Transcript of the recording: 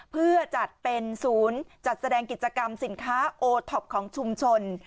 เพื่อจัดเป็นศูนย์จัดแสดงกิจกรรมสินค้าโอท็อปของชุมชน